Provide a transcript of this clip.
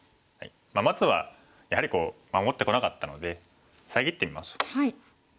まずはやはり守ってこなかったので遮ってみましょう。